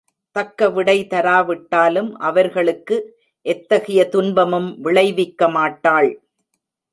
தக்கவிடை தராவிட்டாலும் அவர்களுக்கு எத்தகைய துன்பமும் விளைவிக்கமாட்டாள்.